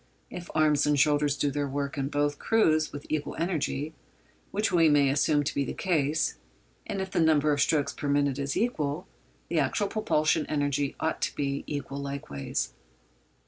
If arms and shoulders do their work in both crews with equal energy—which we may assume to be the case—and if the number of strokes per minute is equal, the actual propulsive energy ought to be equal likewise.